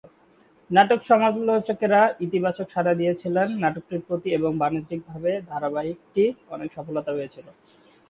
নাটক-সমালোচকেরা ইতিবাচক সাড়া দিয়েছিলেন নাটকটির প্রতি এবং বাণিজ্যিকভাবে ধারাবাহিকটি অনেক সফলতা পেয়েছিলো।